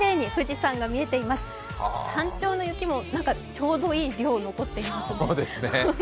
山頂の雪もちょうどいい量残っていますね。